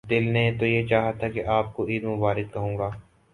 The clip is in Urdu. دل نے تو یہ چاہا تھا کہ آپ کو عید مبارک کہوں گا۔